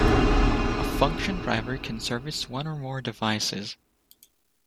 A function driver can service one or more devices.